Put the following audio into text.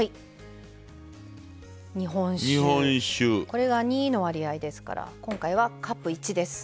これが２の割合ですから今回はカップ１です。